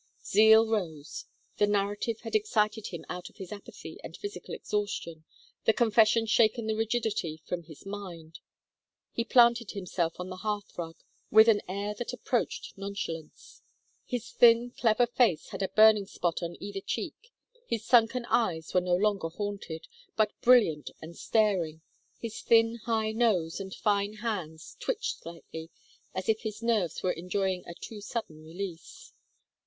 Zeal rose. The narrative had excited him out of his apathy and physical exhaustion, the confession shaken the rigidity from his mind. He planted himself on the hearth rug with an air that approached nonchalance. His thin clever face had a burning spot on either cheek, his sunken eyes were no longer haunted, but brilliant and staring; his thin high nose and fine hands twitched slightly, as if his nerves were enjoying a too sudden release.